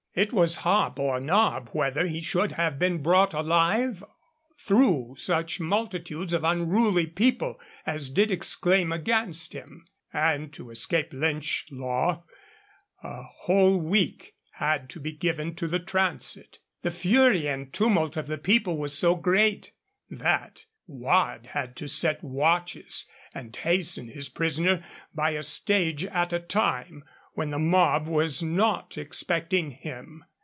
'It was hob or nob whether he should have been brought alive through such multitudes of unruly people as did exclaim against him;' and to escape Lynch law a whole week had to be given to the transit. 'The fury and tumult of the people was so great' that Waad had to set watches, and hasten his prisoner by a stage at a time, when the mob was not expecting him.